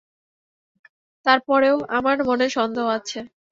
তার পরেও আমার মনে সন্দেহ আছে।